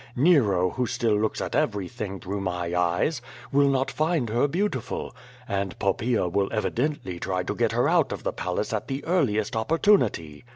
Nero, who still looks at everything through my eyes, will not find her beau tiful. And Poppaea will evidently try to get her out of the palace at the earliest opportunity.